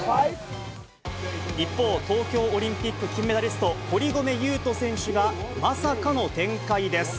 一方、東京オリンピック金メダリスト、堀米雄斗選手が、まさかの展開です。